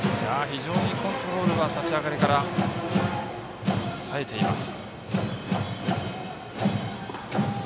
非常にコントロールが立ち上がりからさえています。